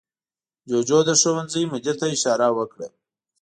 جوجو د ښوونځي مدیر ته اشاره وکړه.